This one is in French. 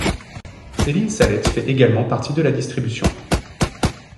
Céline Sallette fait également partie de la distribution.